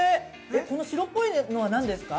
この白っぽいやつはなんですか。